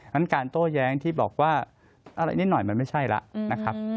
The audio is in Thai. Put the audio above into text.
นั้นการโต้แย้งที่บอกว่าอะไรนิดหน่อยมันไม่ใช่แล้วนะครับ